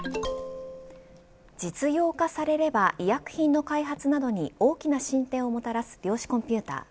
実用化されれば医薬品の開発などに大きな進展をもたらす量子コンピューター